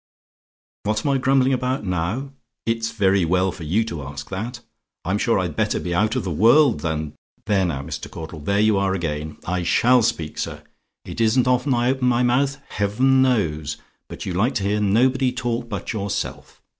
"What am I grumbling about now? It's very well for you to ask that! I'm sure I'd better be out of the world than there now, Mr. Caudle; there you are again! I SHALL speak, sir. It isn't often I open my mouth, Heaven knows! But you like to hear nobody talk but yourself.